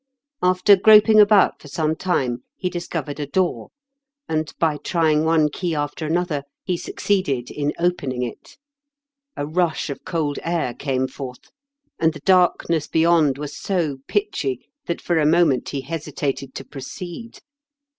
After groping about for some time he dis covered a door, and, by trying one key after another, he succeeded in opening it. A rush of cold air came forth, and the darkness H 2 100 IN KENT WITH CHAELE8 DICKENS. beyond was so pitchy that for a moment he hesitated to proceed.